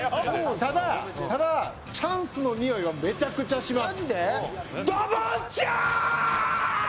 ただ、チャンスのにおいはめちゃめちゃします。